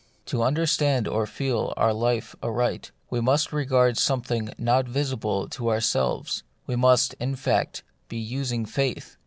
To under stand or feel our life aright, we must regard something not visible to ourselves : we must, in fact, be using faith.